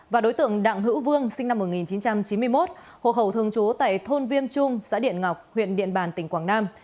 và đối tượng đặng hữu vương sinh năm một nghìn chín trăm chín mươi một hộ khẩu thường trú tại thôn viêm trung xã điện ngọc huyện điện bàn tỉnh quảng nam